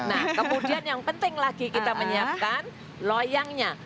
nah kemudian yang penting lagi kita menyiapkan loyangnya